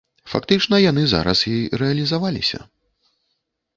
Фактычна яны зараз і рэалізаваліся.